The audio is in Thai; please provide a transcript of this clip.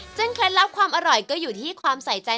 ซึ่งเคล็ดลับความอร่อยก็อยู่ที่ความใส่ใจ